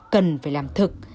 cần phải làm thực